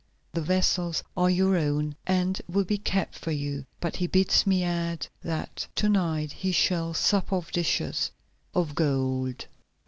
The vessels are your own, and will be kept for you, but he bids me add, that to night you shall sup off dishes of gold."